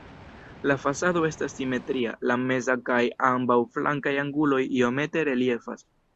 La fasado estas simetria, la meza kaj ambaŭ flankaj anguloj iomete reliefas.